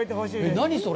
何それ。